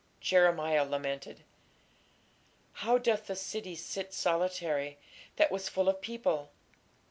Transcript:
Jeremiah lamented: How doth the city sit solitary, that was full of people!